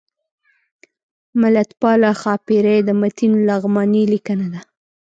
ملتپاله ښاپیرۍ د متین لغمانی لیکنه ده